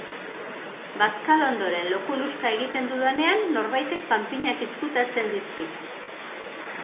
Bazkalondoren lo kuluxka egiten dudanean norbaitek panpinak izkutatzen dizkit.